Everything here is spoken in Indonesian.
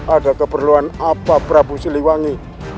ada keperluan apa prabu siliwangi